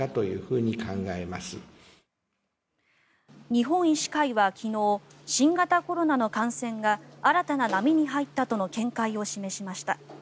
日本医師会は昨日新型コロナの感染が新たな波に入ったとの見解を示しました。